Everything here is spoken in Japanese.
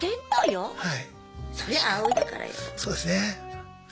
そうですね。